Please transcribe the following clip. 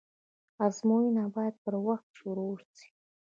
آزموينه بايد پر وخت شروع سي.